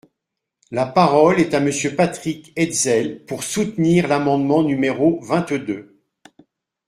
La parole est à Monsieur Patrick Hetzel, pour soutenir l’amendement numéro vingt-deux.